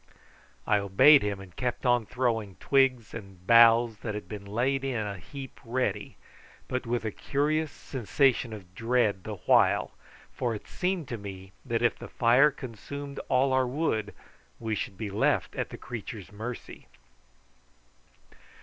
I obeyed him and kept on throwing twigs and boughs that had been laid in a heap ready, but with a curious sensation of dread the while, for it seemed to me that if the fire consumed all our wood we should be left at the creature's mercy.